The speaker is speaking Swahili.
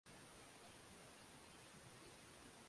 Sipendi mchezo mimi.